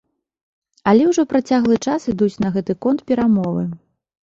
Але ўжо працяглы час ідуць на гэты конт перамовы.